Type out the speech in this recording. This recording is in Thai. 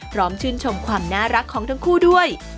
พร้อมชื่นชมความน่ารักของทั้งคู่ด้วย